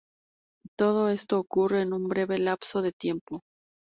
Todo esto ocurre en un breve lapso de tiempo.